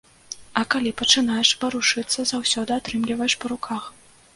А калі пачынаеш варушыцца, заўсёды атрымліваеш па руках.